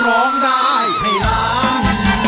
ร้องได้ให้ล้าน